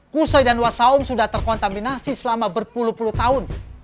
kusoi dan wasaum sudah terkontaminasi selama berpuluh puluh tahun